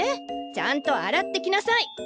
ちゃんと洗ってきなさい！